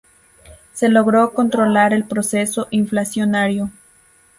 Se logró controlar el proceso inflacionario.